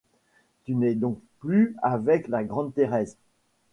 Tu n’es donc plus avec la grande Thérèse!